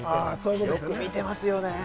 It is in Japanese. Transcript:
よく見てますよね。